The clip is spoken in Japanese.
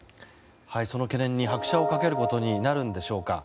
その懸念に拍車を掛けることになるのでしょうか。